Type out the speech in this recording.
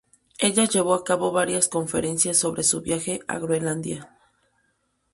Ella llevó a cabo varias conferencias sobre su viaje a Groenlandia.